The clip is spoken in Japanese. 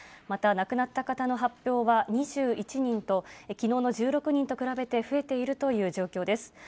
また、亡くなった方の発表は２１人と、きのうの１６人と比べて増えているという状況です。